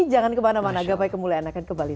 jangan kemana mana gapai kemuliaan akan kembali